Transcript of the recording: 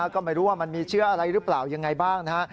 ก็ไม่รู้ว่ามันมีเชื้ออะไรหรือเปล่ายังไงบ้างนะฮะ